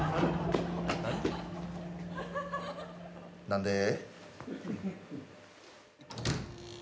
何で？